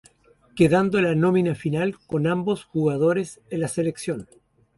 Quedando la nómina final con ambos jugadores en la selección.